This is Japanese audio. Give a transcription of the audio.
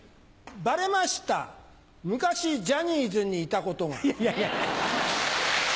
バレました昔ジャニーズにいたことが。